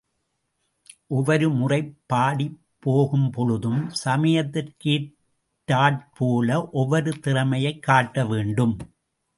ஒவ்வொரு முறை பாடிப் போகும்பொழுதும், சமயத்திற்கேற்றாற் போல, ஒவ்வொரு திறமையைக் காட்ட வேண்டும்.